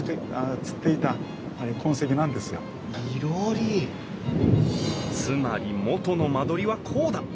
つまり元の間取りはこうだ。